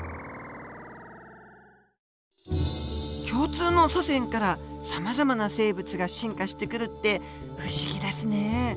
共通の祖先からさまざまな生物が進化してくるって不思議ですね。